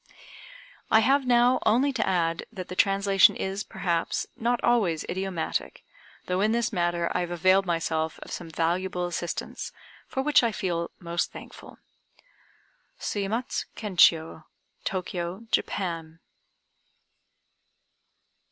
I have now only to add that the translation is, perhaps, not always idiomatic, though in this matter I have availed myself of some valuable assistance, for which I feel most thankful. SUYEMATZ KENCHIO. _Tokyo, Japan.